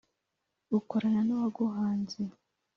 ukorana n’uwaguhanze